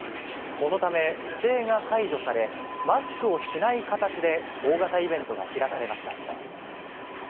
このため、規制が解除され、マスクをしない形で、大型イベントが開かれました。